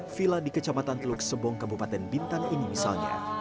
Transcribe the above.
villa di kecamatan teluk sembong kabupaten bintang ini misalnya